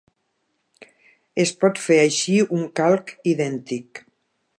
Es pot fer així un calc idèntic.